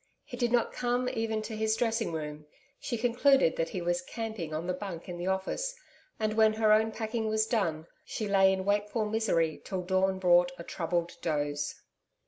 He did not come even to his dressing room. She concluded that he was 'camping' on the bunk in the office, and when her own packing was done, she lay in wakeful misery till dawn brought a troubled doze.